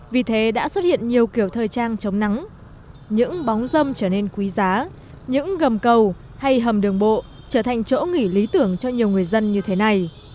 vì thế đã xuất hiện nhiều kiểu thời trang chống nắng những bóng dâm trở nên quý giá những gầm cầu hay hầm đường bộ trở thành chỗ nghỉ lý tưởng cho nhiều người dân như thế này